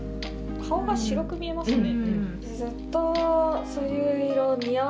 顔が白く見えますね。